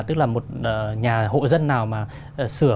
tức là một nhà hộ dân nào mà sửa